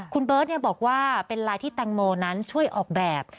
คุณเบิร์ตบอกว่าเป็นไลน์ที่แตงโมนั้นช่วยออกแบบ